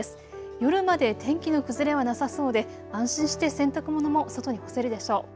夜まで天気の崩れはなさそうで安心して洗濯物も外に干せるでしょう。